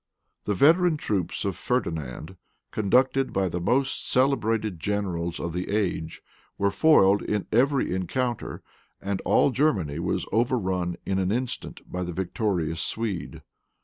The veteran troops of Ferdinand, conducted by the most celebrated generals of the age, were foiled in every encounter; and all Germany was overrun in an instant by the victorious Swede.